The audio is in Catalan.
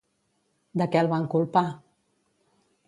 De què el van culpar?